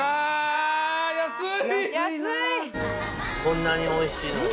こんなにおいしいのに。